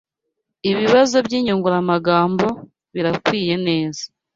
Ibibazo by’inyunguramagambo birakwiyeneza